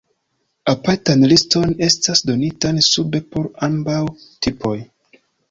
Apartan liston estas donitan sube por ambaŭ tipoj.